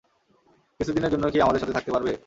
কিছু দিনের জন্য কি আমাদের সাথে থাকতে পারবে?